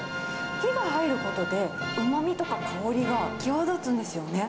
火が入ることで、うまみとか香りが際立つんですよね。